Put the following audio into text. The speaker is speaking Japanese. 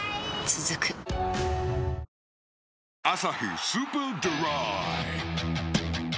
続く「アサヒスーパードライ」